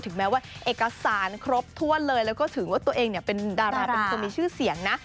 แม้ว่าเอกสารครบถ้วนเลยแล้วก็ถือว่าตัวเองเนี่ยเป็นดาราเป็นคนมีชื่อเสียงนะ